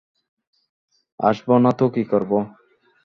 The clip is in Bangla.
আসব না তো কী করব?